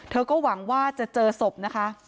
ก็หวังว่าจะเจอศพนะคะ